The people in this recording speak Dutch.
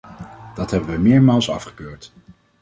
Dat hebben we meermaals afgekeurd.